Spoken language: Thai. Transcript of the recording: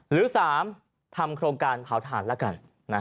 หรือ๓ทำโครงการเผาถ่านละกัน